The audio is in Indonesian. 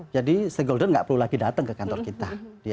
jadi stakeholder tidak perlu lagi datang ke kantor kita